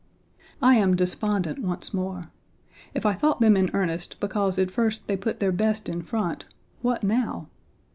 I am despondent once more. If I thought them in earnest because at first they put their best in front, what now?